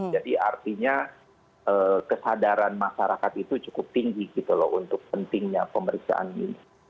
jadi artinya kesadaran masyarakat itu cukup tinggi gitu loh untuk pentingnya pemeriksaan ini